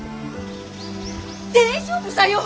大丈夫さよ！